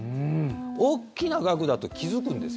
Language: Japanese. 大きな額だと気付くんです。